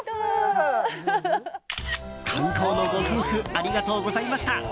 観光のご夫婦ありがとうございました。